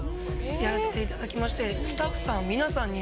やらせていただきましてスタッフさん皆さんに